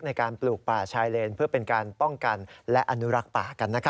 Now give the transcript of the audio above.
ในการปลูกป่าชายเลนเพื่อเป็นการป้องกันและอนุรักษ์ป่ากัน